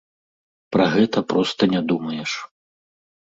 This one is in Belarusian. Пра гэта проста не думаеш.